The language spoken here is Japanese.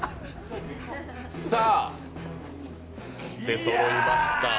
さあ、出そろいました。